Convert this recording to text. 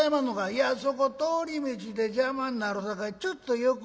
「いやそこ通り道で邪魔になるさかいちょっと横へどいて」。